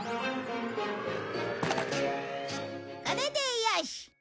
これでよし！